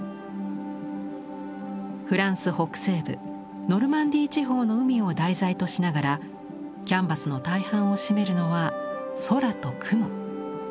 フランス北西部ノルマンディー地方の海を題材としながらキャンバスの大半を占めるのは空と雲。